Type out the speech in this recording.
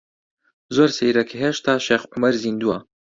زۆر سەیرە کە هێشتا شێخ عومەر زیندووە.